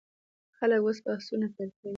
خلک اوس بحثونه پیل کوي.